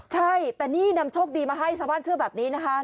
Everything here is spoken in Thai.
ใช่แต่นี่นำโชคดีมาให้ชาวบ้านเชื่อแบบนี้นะคะ